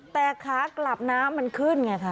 แต่ขากลับน้ำมันขึ้นไงค่ะ